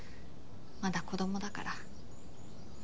まだ子どもだから。